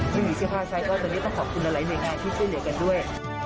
ไม่มีเสื้อผ้าใช้ก็วันนี้ต้องขอบคุณหลายหน่วยงานที่ช่วยเหลือกันด้วย